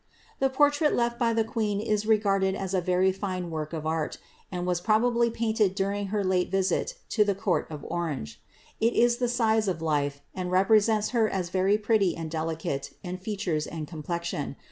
The portrait lefl by the queen is regarded as a very fine work of art, and was probably painted during her late visit to the court of Onoge.' It is the size of life, and represents her as very pretty and delicate in features and complexion.